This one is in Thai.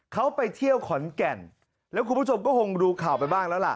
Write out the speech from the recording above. เขาไปเที่ยวขอนแก่นแล้วคุณผู้ชมก็คงดูข่าวไปบ้างแล้วล่ะ